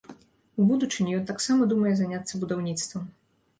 У будучыні ён таксама думае заняцца будаўніцтвам.